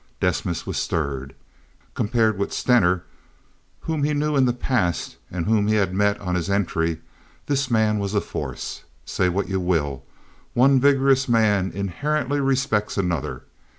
Desmas was stirred. Compared with Stener, whom he knew in the past and whom he had met on his entry, this man was a force. Say what you will, one vigorous man inherently respects another.